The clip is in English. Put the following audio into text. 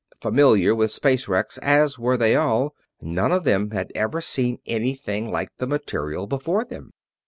Familiar with space wrecks as were they all, none of them had ever seen anything like the material before them.